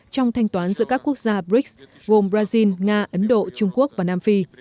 trong thanh toán giữa các quốc gia brics gồm brazil nga ấn độ trung quốc và nam phi